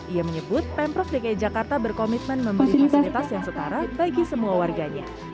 ia menyebut pemprov dki jakarta berkomitmen membeli fasilitas yang setara bagi semua warganya